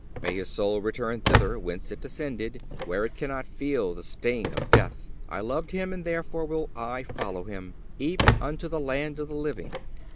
May his soul return thither whence it descended, where it cannot feel the sting of death.... I loved him and therefore will I follow him, even unto the land of the living.